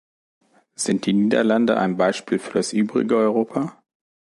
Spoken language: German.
Sind die Niederlande ein Beispiel für das übrige Europa?